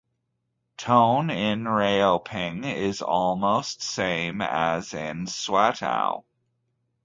Tone in Raoping is almost same as in Swatow.